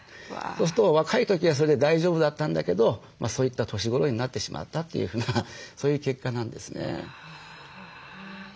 そうすると若い時はそれで大丈夫だったんだけどそういった年頃になってしまったというふうなそういう結果なんですね。